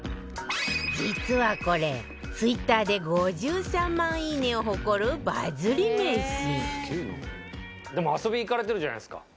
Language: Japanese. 実はこれ Ｔｗｉｔｔｅｒ で５３万いいねを誇るバズりめしでも遊びに行かれてるじゃないですか。